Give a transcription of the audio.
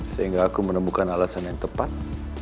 sehingga aku menemukan alasan yang tepat